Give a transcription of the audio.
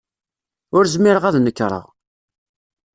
Ur zmireɣ ad nekreɣ.